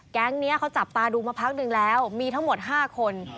แก๊งนี้เขาจับตาดูมาพักหนึ่งแล้วมีทั้งหมด๕คน